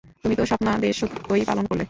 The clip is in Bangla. তুমি তো স্বপ্নাদেশ সত্যই পালন করলে!